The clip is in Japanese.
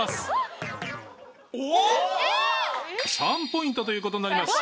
３ポイントという事になります。